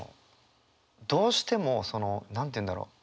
どうしても何て言うんだろう？